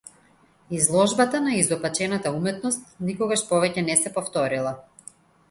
Изложбата на изопачената уметност никогаш повеќе не се повторила.